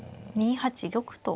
２八玉と。